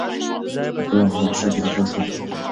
فقیران په باغچه کې راټول شول.